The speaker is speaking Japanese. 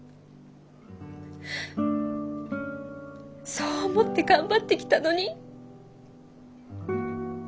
そう思って頑張ってきたのに。